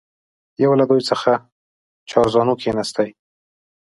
یو له دوی څخه چارزانو کښېنستی.